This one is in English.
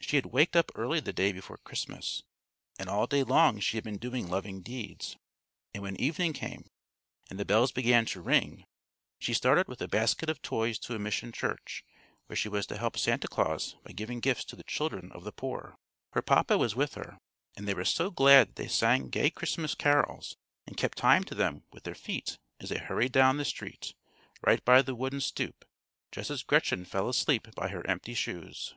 She had waked up early the day before Christmas, and all day long she had been doing loving deeds; and when evening came, and the bells began to ring, she started with a basket of toys to a mission church, where she was to help Santa Claus by giving gifts to the children of the poor. [Illustration: The dearest Christmas Gift that ever came to a homesick little girl.] Her papa was with her, and they were so glad that they sang gay Christmas carols, and kept time to them with their feet as they hurried down the street, right by the wooden stoop, just as Gretchen fell asleep by her empty shoes.